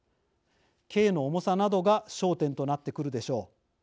刑の重さなどが焦点となってくるでしょう。